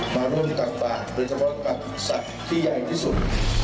มาร่วมตักบาทโดยเฉพาะกับสัตว์ที่ใหญ่ที่สุด